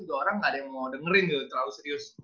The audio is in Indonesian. juga orang gak ada yang mau dengerin terlalu serius